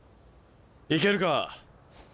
いけるか？